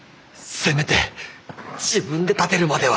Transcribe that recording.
せめて自分で立てるまでは。